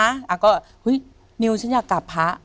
อาก็เฮ้ยนิวฉันอยากกลับพระ